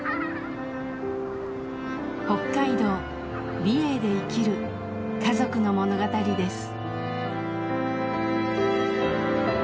北海道・美瑛で生きる家族の物語です。